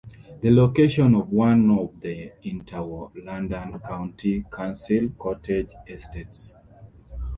The location of one of the interwar London County Council cottage estates.